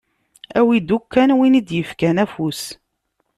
Awi-d ukkan win i d-yefkan afus.